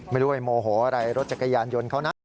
ไม่รู้ไปโมโหอะไรรถจักรยานยนต์เขานะ